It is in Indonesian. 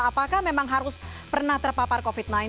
apakah memang harus pernah terpapar covid sembilan belas